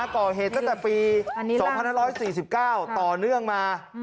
ก่อเหตุตั้งแต่ปี๒๕๔๙ต่อเนื่องมา